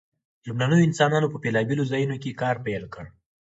لومړنیو انسانانو په بیلابیلو ځایونو کې کار پیل کړ.